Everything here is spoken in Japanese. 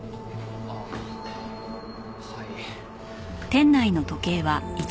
ああはい。